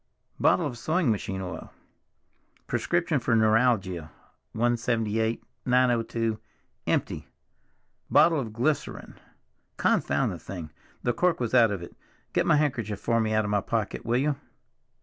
Bottle of sewing machine oil. Prescription for neuralgia, 178, 902, empty. Bottle of glycerine—confound the thing! the cork was out of it; get my handkerchief for me out of my pocket, will you?